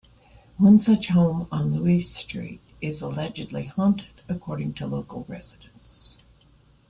One such home, on Louis Street, is allegedly "haunted," according to local residents.